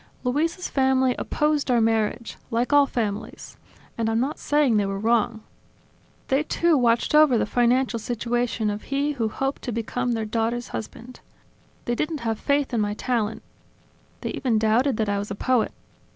Luisa's family opposed our marriage; like all families and I'm not saying they were wrong they too watched over the financial situation of he who hoped to become their daughter's husband. They didn't have faith in my talent; they even doubted that I was a poet.